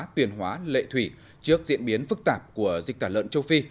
tuyên hóa lệ thủy trước diễn biến phức tạp của dịch tả lợn châu phi